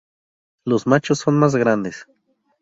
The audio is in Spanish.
Los machos son más grandes.